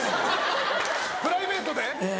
プライベートで？